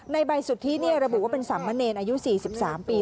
ในใบสุทธิระบุว่าเป็นสามเณรอายุ๔๓ปี